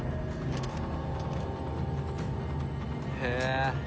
へえ。